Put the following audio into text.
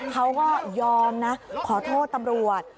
เขาก็ยอมนะขอโทษตำรวจ